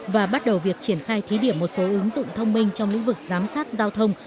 và bắt đầu việc triển khai thí điểm một số ứng dụng thông minh trong lĩnh vực giám sát giao thông